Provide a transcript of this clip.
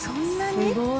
すごい。